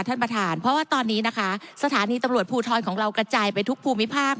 ท่านประธานเพราะว่าตอนนี้นะคะสถานีตำรวจภูทรของเรากระจายไปทุกภูมิภาค